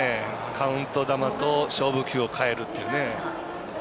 カウント球と勝負球を変えるというね。